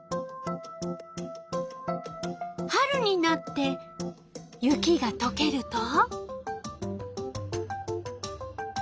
春になって雪がとけると？